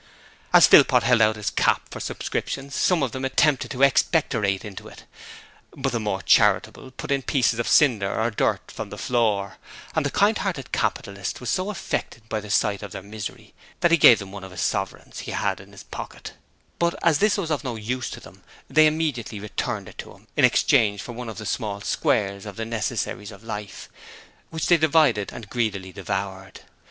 As Philpot held out his cap for subscriptions, some of them attempted to expectorate into it, but the more charitable put in pieces of cinder or dirt from the floor, and the kind hearted capitalist was so affected by the sight of their misery that he gave them one of the sovereigns he had in us pocket: but as this was of no use to them they immediately returned it to him in exchange for one of the small squares of the necessaries of life, which they divided and greedily devoured.